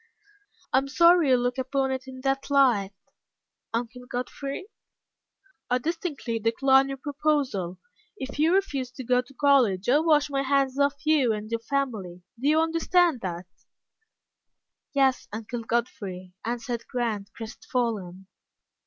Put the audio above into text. "I am sorry you look upon it in that light, Uncle Godfrey." "I distinctly decline your proposal. If you refuse to go to college, I wash my hands of you and your family. Do you understand that?" "Yes, Uncle Godfrey," answered Grant, crestfallen.